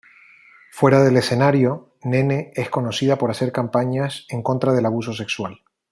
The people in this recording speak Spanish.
Fuera del escenario, NeNe es conocida por hacer campañas en contra del abuso sexual.